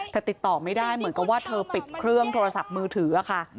แต่ติดต่อไม่ได้เหมือนกับว่าเธอปิดเครื่องโทรศัพท์มือถือค่ะ